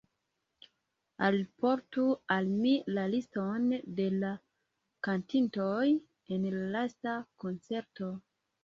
Alportu al mi la liston de la kantintoj en la lasta koncerto.